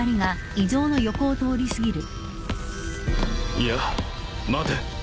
いや待て。